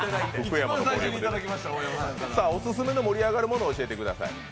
オススメの盛り上がるものを教えてください。